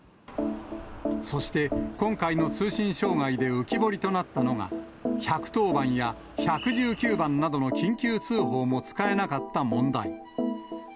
そして、今回の通信障害で浮き彫りとなったのが、１１０番や１１９番などの緊急通報も使えなかった問題。